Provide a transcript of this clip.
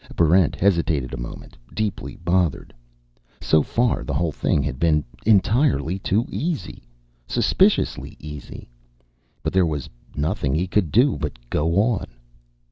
Barrent hesitated a moment, deeply bothered. So far, the whole thing had been entirely too easy. Suspiciously easy. But there was nothing he could do but go on.